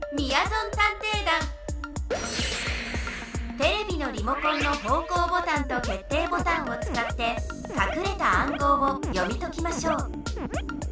テレビのリモコンの方向ボタンと決定ボタンをつかってかくれた暗号を読み解きましょう。